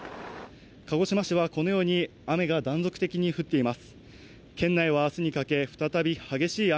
鹿児島市はこのように雨が断続的に降っています。